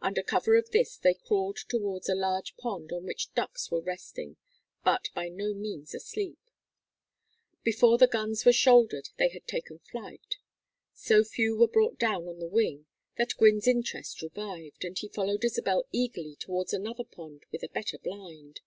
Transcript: Under cover of this they crawled towards a large pond on which ducks were resting but by no means asleep. Before the guns were shouldered they had taken flight; so few were brought down on the wing that Gwynne's interest revived, and he followed Isabel eagerly towards another pond with a better blind.